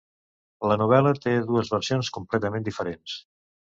La novel·la té dues versions completament diferents.